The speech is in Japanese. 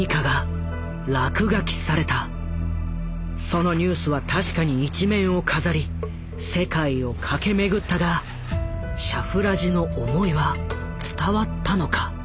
そのニュースは確かに一面を飾り世界を駆け巡ったがシャフラジの思いは伝わったのか？